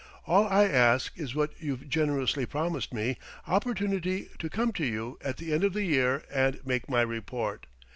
All I ask is what you've generously promised me: opportunity to come to you at the end of the year and make my report....